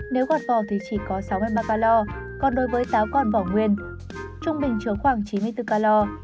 nếu quả vỏ thì chỉ có sáu mươi ba calor còn đối với táo còn vỏ nguyên trung bình chứa khoảng chín mươi bốn calor